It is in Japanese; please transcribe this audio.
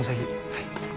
はい。